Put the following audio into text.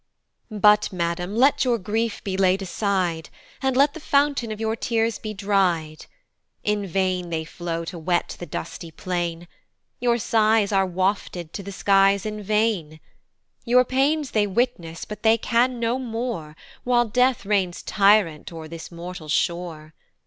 But, Madam, let your grief be laid aside, And let the fountain of your tears be dry'd, In vain they flow to wet the dusty plain, Your sighs are wafted to the skies in vain, Your pains they witness, but they can no more, While Death reigns tyrant o'er this mortal shore.